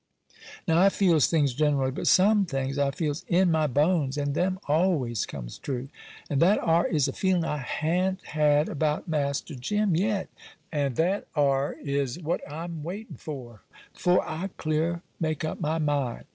Now I feels things gen'rally, but some things I feels in my bones, and them always comes true. And that ar is a feelin' I ha'n't had about Master Jim yet, and that ar is what I'm waitin' for 'fore I clear make up my mind.